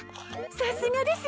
さすがです